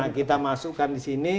nah kita masukkan di sini